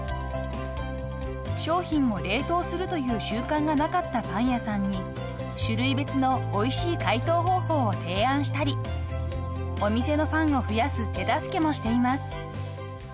［商品を冷凍するという習慣がなかったパン屋さんに種類別のおいしい解凍方法を提案したりお店のファンを増やす手助けもしています］